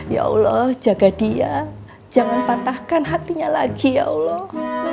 ya allah jaga dia jangan patahkan hatinya lagi ya allah